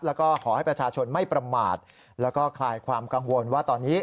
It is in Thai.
แล้วก็ขอให้ประชาชนไม่ประมาทแล้วก็คลายความกังวลว่าตอนนี้